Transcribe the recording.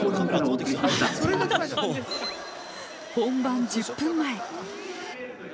本番１０分前。